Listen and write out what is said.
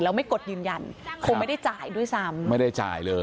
แล้วไม่กดยืนยันคงไม่ได้จ่ายด้วยซ้ำไม่ได้จ่ายเลย